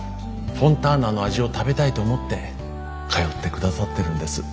フォンターナの味を食べたいと思って通ってくださってるんです。